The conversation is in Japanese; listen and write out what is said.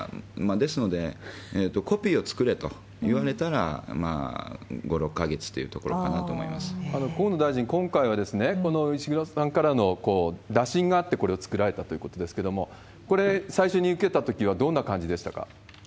ですので、コピーを作れと言われたら、５、６か月というところかなと思いま河野大臣、今回は石黒さんからの打診があってこれを作られたということですけれども、これ、最初に受けたときはどんな感じでしたか？